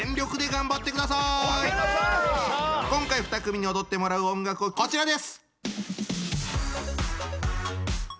今回２組に踊ってもらう音楽はこちらです！